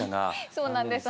そうなんです。